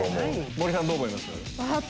森さんどう思います？